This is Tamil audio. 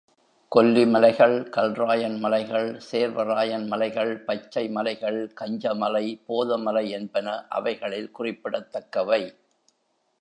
கொல்லி மலைகள், கல்ராயன் மலைகள், சேர்வராயன் மலைகள், பச்சை மலைகள், கஞ்சமலை, போதமலை என்பன அவைகளில் குறிப்பிடத் தக்கவை.